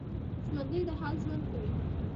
ژوندي د حال ژوند کوي